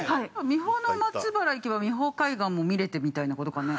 三保の松原行けば三保海岸も見れてみたいなことかな。